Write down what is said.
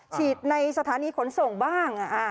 ในสถานีขนส่งบ้าง